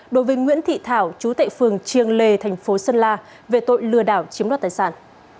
đối với nguyễn thị thảo chú tệ phường triềng lề thành phố sơn la về tội lừa đảo chiếm đoạt tài sản